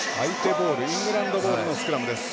イングランドボールのスクラムです。